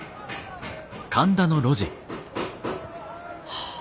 はあ。